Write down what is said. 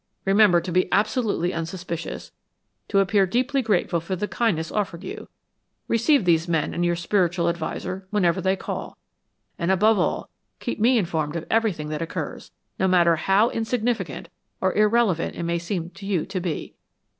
Remember to be absolutely unsuspicious, to appear deeply grateful for the kindness offered you; receive these men and your spiritual adviser whenever they call, and above all, keep me informed of everything that occurs, no matter how insignificant or irrelevant it may seem to you to be.